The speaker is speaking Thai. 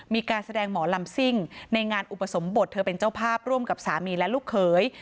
มีการแสดงหมอลำซิ่งในงานอุปสมบทเธอเป็นเจ้าภาพร่วมกับสามีและลูกเขย